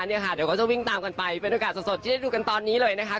เดี๋ยวก็จะวิ่งตามกันไปเป็นอากาศสดที่ได้ดูกันตอนนี้เลยนะคะ